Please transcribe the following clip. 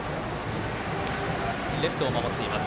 レフトを守っています。